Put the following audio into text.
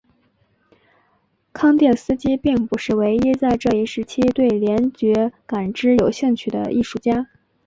康定斯基并不是唯一在这一时期对联觉感知有兴趣的艺术家。